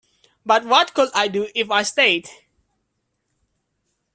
But what could I do if I stayed!